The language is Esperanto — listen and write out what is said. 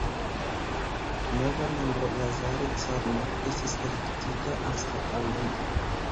Nova membro, Lazare Carnot, estis elektita anstataŭ li.